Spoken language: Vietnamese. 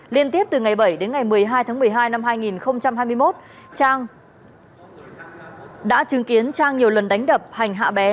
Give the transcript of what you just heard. liên tiếp từ ngày bảy đến ngày một mươi hai tháng một mươi hai năm hai nghìn hai mươi một trang đã chứng kiến trang nhiều lần đánh đập hành hạ bé